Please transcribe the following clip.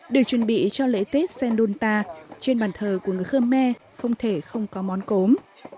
được chuẩn bị cho lễ tết sen lôn ta trên bàn thờ của người khơ me không thể không có món cốm